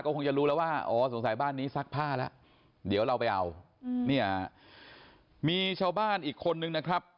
คงจะรู้แล้วว่าอ๋อสงสัยบ้านนี้ซักผ้าแล้วเดี๋ยวเราไปเอาเนี่ยมีชาวบ้านอีกคนนึงนะครับ